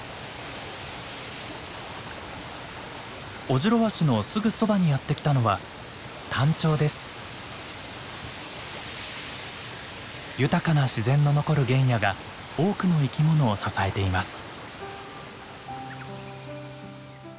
オジロワシのすぐそばにやって来たのは豊かな自然の残る原野が多くの生き物を支えています。